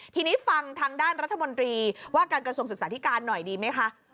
ทีนี้ฟังทางด้านรัฐมนตรีว่าการกระทรวงศึกษาธิการหน่อยดีไหมคะ